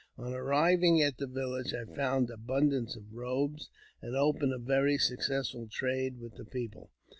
On arriving at the village I found abundance of robes, an^ opened a very successful trade with the people.